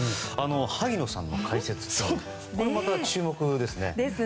萩野さんの解説にもまた注目ですね。